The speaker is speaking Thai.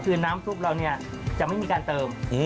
คือน้ำซุปเราเนี่ยจะไม่มีการเติม